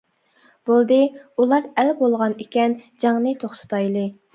بولدى ئۇلار ئەل بولغان ئىكەن، جەڭنى توختىلايلى.